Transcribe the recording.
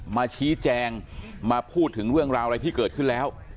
มาชี้แจงมาพูดถึงเรื่องราวอะไรที่เกิดขึ้นแล้ว